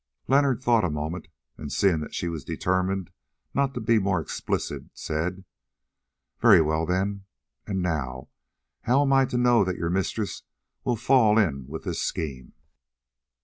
Leonard thought a moment, and seeing that she was determined not to be more explicit, said: "Very well, then. And now how am I to know that your mistress will fall in with this scheme?"